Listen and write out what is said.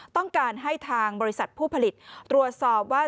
ต้องการให้ทางบริษัทผู้ผลิตตรวจสอบว่า